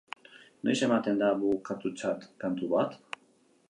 Noiz ematen da bukatutzat kantu bat?